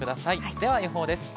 では予報です。